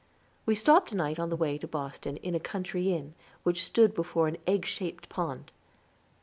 We stopped a night on the way to Boston at a country inn, which stood before an egg shaped pond.